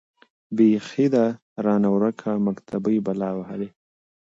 بيـخي ده رانـه وركه مــكتبۍ بــلا وهــلې.